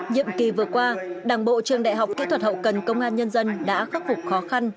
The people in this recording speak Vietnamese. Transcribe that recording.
nhiệm kỳ vừa qua đảng bộ trường đại học kỹ thuật hậu cần công an nhân dân đã khắc phục khó khăn